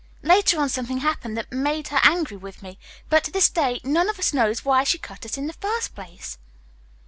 Later on something happened that made her angry with me, but to this day none of us knows why she cut us in the first place."